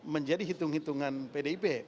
menjadi hitung hitungan pdip